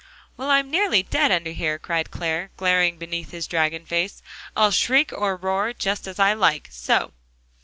"Well, I'm nearly dead under here," cried Clare, glaring beneath his dragon face. "I'll shriek, or roar, just as I like, so!"